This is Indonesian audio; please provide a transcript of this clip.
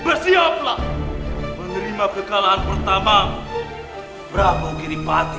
bersiaplah menerima kekalahan pertama prabu giripati